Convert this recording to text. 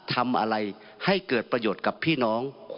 ทำอะไรให้เกิดประโยชน์กับพี่น้อง